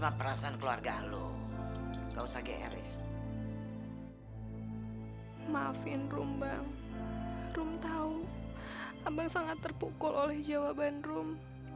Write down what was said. abang sangat terpukul oleh jawaban rum